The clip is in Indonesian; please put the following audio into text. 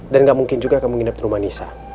dan gak mungkin juga kamu nginap di rumah nisa